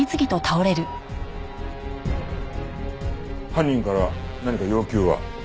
犯人から何か要求は？